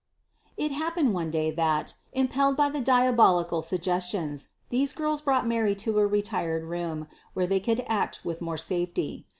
704. It happened one day, that, impelled by the dia bolical suggestions, these girls brought Mary to a retired room, where they could act with more safety.